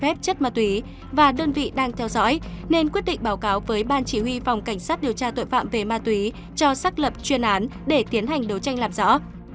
phép chất ma túy và đơn vị đang theo dõi nên quyết định báo cáo với ban chỉ huy phòng cảnh sát điều tra tội phạm về ma túy cho xác lập chuyên án để tiến hành đấu tranh làm rõ